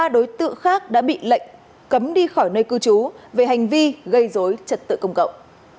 ba đối tượng khác đã bị lệnh cấm đi khỏi nơi cư trú về hành vi gây dối trật tự công cộng